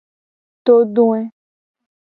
Todoe.